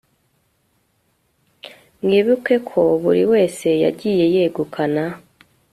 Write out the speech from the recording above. mwibuke ko buri wese yagiye yegukana